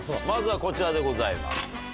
まずはこちらでございます。